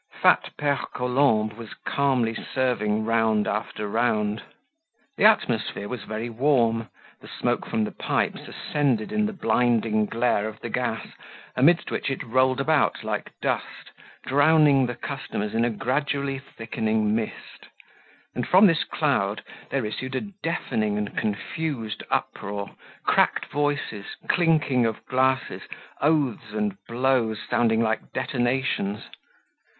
Fat Pere Colombe was calmly serving round after round. The atmosphere was very warm, the smoke from the pipes ascended in the blinding glare of the gas, amidst which it rolled about like dust, drowning the customers in a gradually thickening mist; and from this cloud there issued a deafening and confused uproar, cracked voices, clinking of glasses, oaths and blows sounding like detonations.